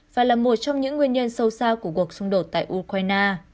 và là một trong những nguyên nhân sâu xa của cuộc xung đột tại ukraine